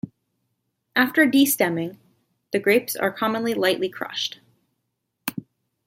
After destemming, the grapes are commonly lightly crushed.